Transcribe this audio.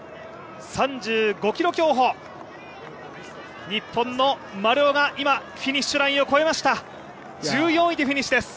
３５ｋｍ競歩、日本の丸尾が今フィニッシュラインを越えました１４位でフィニッシュです。